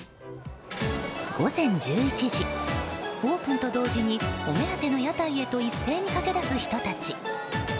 午前１１時オープンと同時にお目当ての屋台へと一斉に駆け出す人たち。